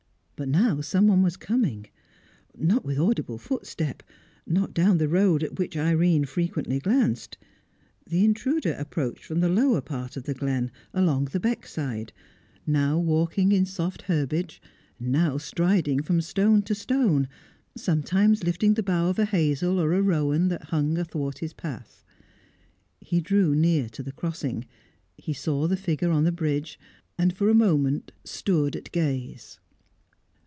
But now someone was coming. Not with audible footstep; not down the road at which Irene frequently glanced; the intruder approached from the lower part of the glen, along the beckside, now walking in soft herbage, now striding from stone to stone, sometimes lifting the bough of a hazel or a rowan that hung athwart his path. He drew near to the crossing. He saw the figure on the bridge, and for a moment stood at gaze.